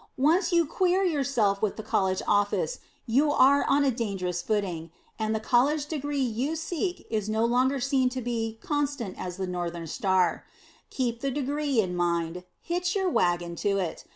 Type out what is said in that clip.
Once you "queer" yourself with the College Office, you are on dangerous footing, and the College Degree you seek is no longer seen to be "constant as the northern star." Keep the Degree in mind; hitch your wagon to it.